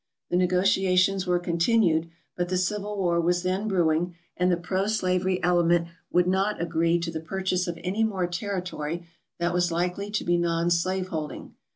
The negotiations were continued, but the Civil War was then brewing and the pro slavery element would not agree to the purchase of any more territory that was likely to be non slaveholding.